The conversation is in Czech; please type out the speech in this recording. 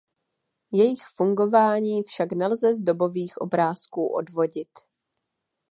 Jejich fungování však nelze z dobových obrázků odvodit.